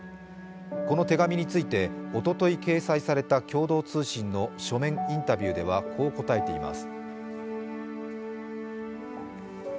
この手紙について、おととい掲載された共同通信の書面インタビューではこう答えています。